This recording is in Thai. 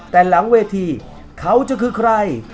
แต่หลังเวทีเขาจะคือใคร